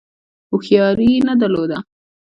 هوښیاري نه درلوده.